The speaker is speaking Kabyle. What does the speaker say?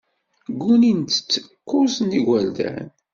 Ggunin-tt kuẓ n yigerdan.